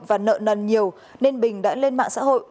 và nợ nần nhiều nên bình đã lên mạng xã hội